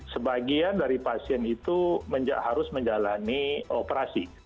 sebagian dari pasien itu harus menjalani operasi